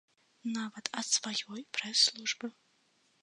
Нават ад сваёй прэс-службы!